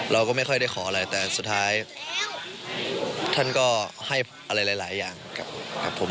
เราก็ไม่ค่อยได้ขออะไรแต่สุดท้ายท่านก็ให้อะไรหลายอย่างครับผม